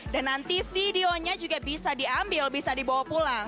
dan nanti videonya juga bisa diambil bisa dibawa pulang